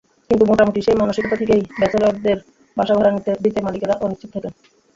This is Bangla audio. কিন্তু মোটামুটি সেই মানসিকতা থেকেই ব্যাচেলরদের বাসা ভাড়া দিতে মালিকেরা অনিচ্ছুক থাকেন।